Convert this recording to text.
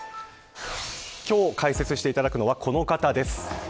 今日解説していただくのはこの方です。